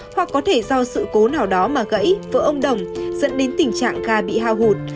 hoặc có thể do sự cố nào đó mà gãy vỡ ông đồng dẫn đến tình trạng gà bị hao hụt